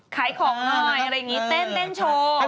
ขายของหน่อยอะไรอย่างนี้เต้นโชว์